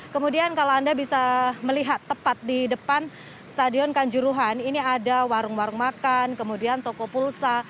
kemudian kalau anda bisa melihat tepat di depan stadion kanjuruhan ini ada warung warung makan kemudian toko pulsa